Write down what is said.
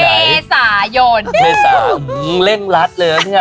มเมสอย่างเร่งรัดเลยนะนี่ค่ะ